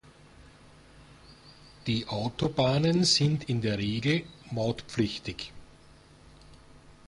Die Autobahnen sind in der Regel mautpflichtig.